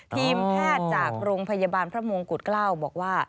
ทีมแพทย์จากโรงพยาบาลพระมงกุฎเกล้าบอกว่า